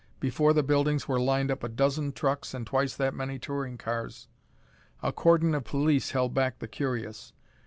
Before the buildings were lined up a dozen trucks and twice that many touring cars. A cordon of police held back the curious.